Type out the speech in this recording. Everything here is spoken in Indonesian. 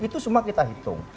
itu semua kita hitung